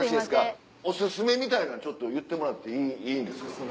お薦めみたいなんちょっと言ってもらっていいですか。